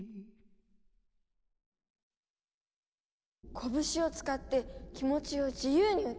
こぶしを使って気持ちを自由に歌い上げる。